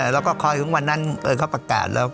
แล้วก็คอยของวันนั้นเขาประกาศแล้ว